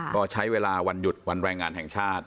ก็ใช้เวลาวันหยุดวันแรงงานแห่งชาติ